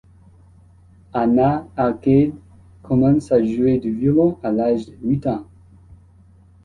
Ana Alcaide commence à jouer du violon à l'âge de huit ans.